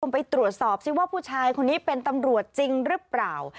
ไปตรวจสอบซิว่าผู้ชายคนนี้เป็นตำรวจจริงหรือเปล่า